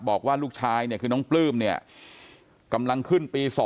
บอกว่าลูกชายเนี่ยคือน้องปลื้มเนี่ยกำลังขึ้นปี๒